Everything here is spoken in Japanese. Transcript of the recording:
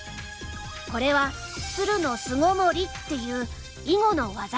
これは鶴の巣ごもりっていう囲碁の技なんだ。